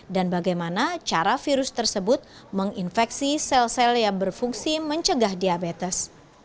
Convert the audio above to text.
dan bagaimana cara virus tersebut menginfeksi sel sel yang berfungsi mencegah diabetes